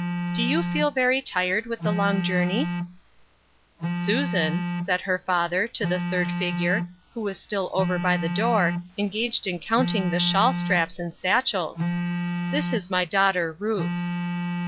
" Do you feel very tired with the long joiu ney ?"" Susan," said her father, to the third figure, who was still over by the door, engaged in count Ser Cross Seems Heavy. 11 ing tht. T^liawl straps and satchels. " This is my daugW^^r Ruth."